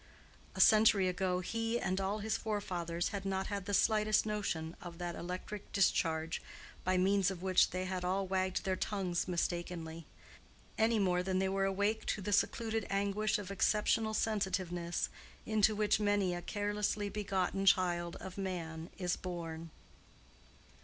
A century ago he and all his forefathers had not had the slightest notion of that electric discharge by means of which they had all wagged their tongues mistakenly; any more than they were awake to the secluded anguish of exceptional sensitiveness into which many a carelessly begotten child of man is born.